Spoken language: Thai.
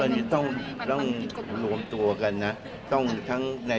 อันนี้ต้องรวมตัวกันนะต้องทั้งใน